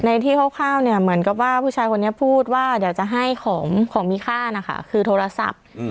ที่คร่าวเนี่ยเหมือนกับว่าผู้ชายคนนี้พูดว่าเดี๋ยวจะให้ของของมีค่านะคะคือโทรศัพท์